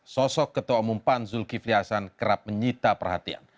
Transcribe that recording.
sosok ketua umum pan zulkifli hasan kerap menyita perhatian